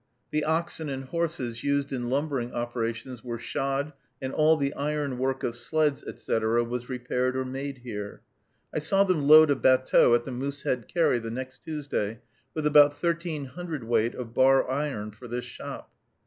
The oxen and horses used in lumbering operations were shod, and all the iron work of sleds, etc., was repaired or made here. I saw them load a batteau at the Moosehead Carry, the next Tuesday, with about thirteen hundredweight of bar iron for this shop.